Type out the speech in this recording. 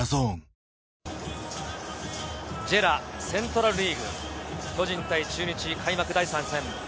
セントラルリーグ、巨人対中日、開幕第３戦。